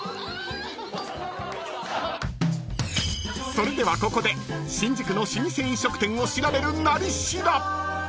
［それではここで新宿の老舗飲食店を調べる「なり調」］